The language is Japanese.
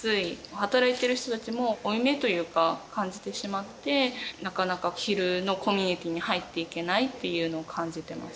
働いている人たちも、負い目というか、感じてしまって、なかなか昼のコミュニティーに入っていけないっていうのを感じてます。